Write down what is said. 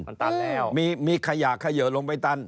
มันตันแล้วมีมีขยะเขยะลงไปตัน